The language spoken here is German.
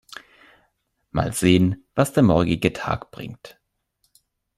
Mal sehen, was der morgige Tag bringt.